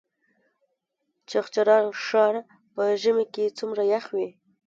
چغچران ښار په ژمي کې څومره یخ وي؟